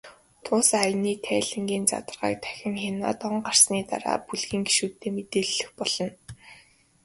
Тус аяны тайлангийн задаргааг дахин хянаад, он гарсны дараа бүлгийн гишүүддээ мэдээлэх болно.